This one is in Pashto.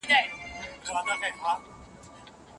هغوی له پخوا څخه لېوالتیا ښودلې ده.